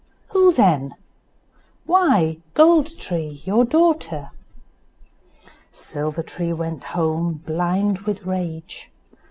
"Who then?" "Why, Gold tree, your daughter." Silver tree went home, blind with rage.